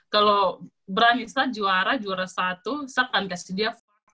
kalau berani saya juara juara satu saya akan kasih dia f k kayak dia gitu